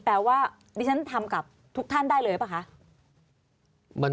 แปลว่าดิฉันทำกับทุกท่านได้เลยหรือเปล่าคะ